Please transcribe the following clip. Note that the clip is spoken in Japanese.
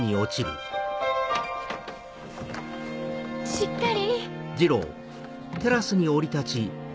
しっかり！